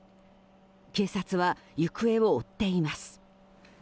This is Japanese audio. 警察は行方を追っています。